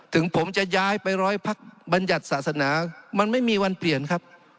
ถึงผมจะย้ายไปร้อยพักบัญญัติศาสนามันไม่มีวันเปลี่ยนครับ